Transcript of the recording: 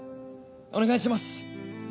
お願いします！